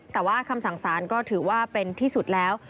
แต่ว่าคำสั่งสารก็ถือว่าเป็นที่สุดแล้ว